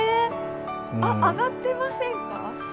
あっ上がってませんか？